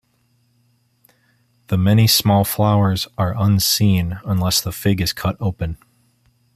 The many small flowers are unseen unless the fig is cut open.